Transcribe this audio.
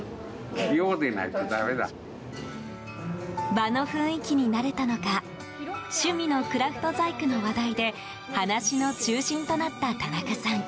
場の雰囲気に慣れたのか趣味のクラフト細工の話題で話の中心となった田中さん。